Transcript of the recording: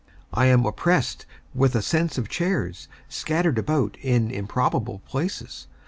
I am oppressed with a sense of chairs, scattered about in improbable places.